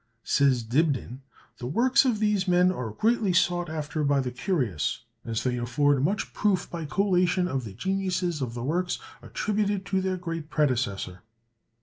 Says Dibdin, "The works of these men are greatly sought after by the curious, as they afford much proof by collation of the genuineness of the works attributed to their great predecessor."